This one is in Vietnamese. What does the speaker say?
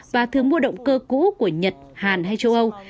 và thường mua động cơ cũ của nhật hàn hay châu âu